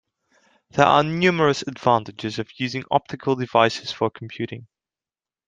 There are numerous advantages of using optical devices for computing.